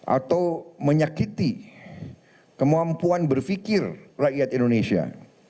atau menyakiti kemampuan berpikir rakyat indonesia